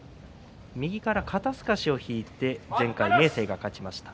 右から肩すかしを引いて前回、明生が勝ちました。